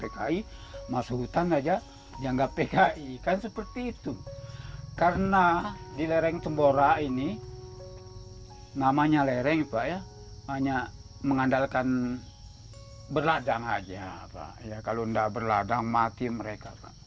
kalau tidak berladang mati mereka